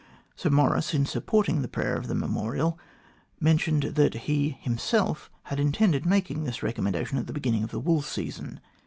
Sir Maurice, in supporting the prayer of the memorial, mentioned that he had himself intended making this recommendation at the beginning of the wool season.